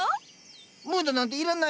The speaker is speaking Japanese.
ムードなんていらないよ。